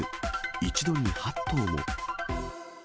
一度に８頭も。